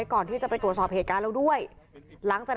ก็ดิฉันมีหลักฐาน